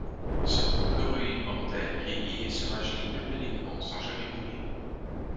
Ce couple heureux et immortel vieillit et se rajeunit périodiquement sans jamais mourir.